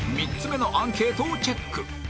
３つ目のアンケートをチェック